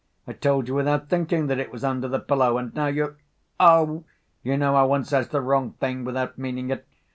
I told you without thinking that it was under the pillow, and now you— Oh, you know how one says the wrong thing, without meaning it.